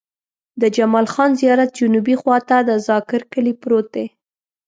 د جمال خان زيارت جنوبي خوا ته د ذاکر کلی پروت دی.